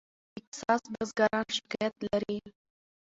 ټیکساس بزګران شکایت لري.